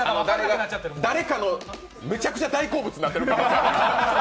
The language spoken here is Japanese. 誰かのめちゃくちゃ大好物になってる可能性あるから。